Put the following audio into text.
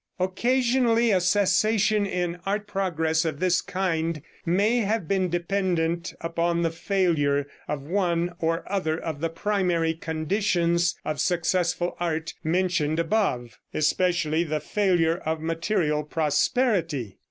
Occasionally a cessation in art progress of this kind may have been dependent upon the failure of one or other of the primary conditions of successful art mentioned above, especially the failure of material prosperity.